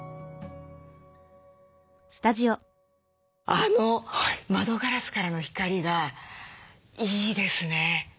あの窓ガラスからの光がいいですね。